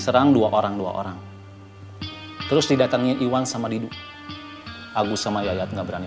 mereka pernah diserang agus sama yayat dua kali